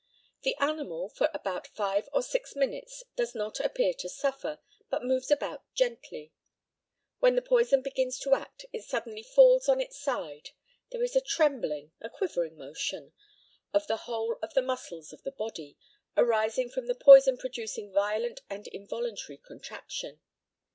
The animal, for about five or six minutes, does not appear to suffer, but moves about gently; when the poison begins to act it suddenly falls on its side, there is a trembling, a quivering motion, of the whole of the muscles of the body, arising from the poison producing violent and involuntary contraction.